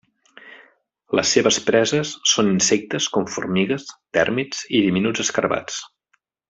Les seves preses són insectes com formigues, tèrmits i diminuts escarabats.